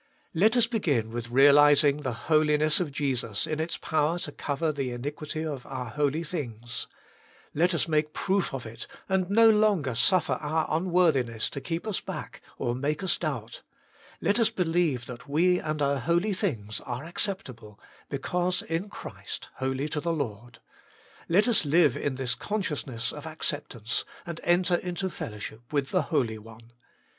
Let us begin with realizing the Holiness of Jesus in its power to cover the iniquity of our holy things ; let us make proof of it, and no longer suffer our unworthiness to keep us back or make us doubt ; let us believe that we and our holy things are acceptable, because in Christ holy to the Lord ; let us live in this consciousness of acceptance, and enter into fellowship with the Holy One.